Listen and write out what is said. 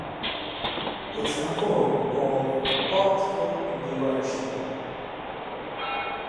It is a form of optical aberration.